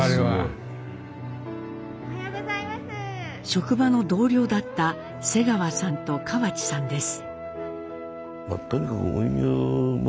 職場の同僚だった瀬川さんと川地さんです。